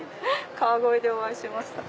川越でお会いしました。